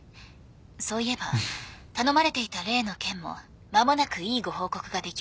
そういえば頼まれていた例の件も間もなくいいご報告ができるかと。